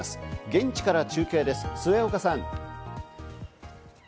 現地から中継です、末岡さん。